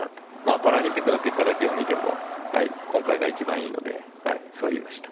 パラリンピックの結果だけを見ても今回が一番いいのでそういいました。